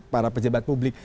para pejabat publik